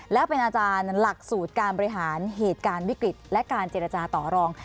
และเป็นอาจารย์หลักสูตรการบริหารเหตุการณ์วิกฤตและการเจรจาต่อรอง